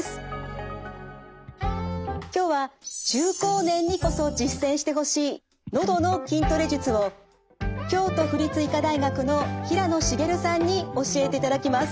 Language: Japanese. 今日は中高年にこそ実践してほしいのどの筋トレ術を京都府立医科大学の平野滋さんに教えていただきます。